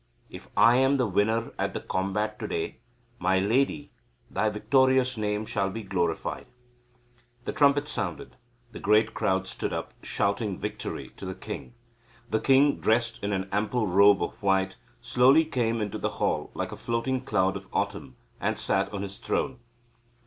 "If I am the winner at the combat to day, my lady, thy victorious name shall be glorified." The trumpet sounded. The great crowd stood up, shouting victory to the king. The king, dressed in an ample robe of white, slowly came into the hall like a floating cloud of autumn, and sat on his throne.